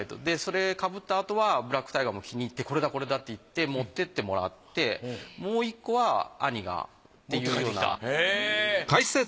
でそれ被ったあとはブラック・タイガーも気に入ってこれだこれだって言って持ってってもらってもう１個は兄がっていうような。